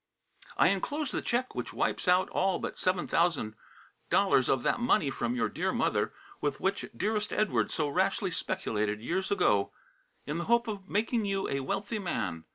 " I enclose the check which wipes out all but $7,000 of that money from your dear mother with which dearest Edward so rashly speculated years ago, in the hope of making you a wealthy man.